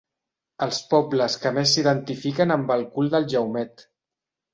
Els pobles que més s'identifiquen amb el cul del Jaumet.